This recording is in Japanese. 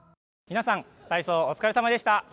皆さん、体操お疲れさまでした。